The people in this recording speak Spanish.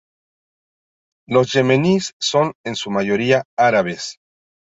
Los yemeníes son en su mayoría árabes.